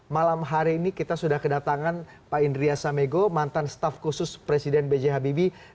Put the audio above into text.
malam hari ini kita sudah kedatangan pak indria samego mantan staff khusus presiden b j habibie